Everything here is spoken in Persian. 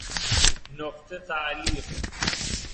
نقطه تعلیق